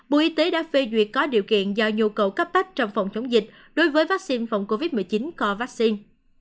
bộ y tế đã phê duyệt có điều kiện do nhu cầu cấp bách trong phòng chống dịch đối với vaccine phòng covid một mươi chín có vaccine